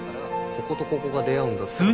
こことここが出会うんだったらこう。